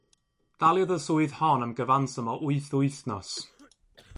Daliodd y swydd hon am gyfanswm o wyth wythnos.